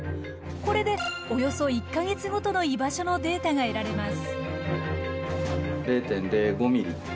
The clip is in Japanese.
これでおよそ１か月ごとの居場所のデータが得られます。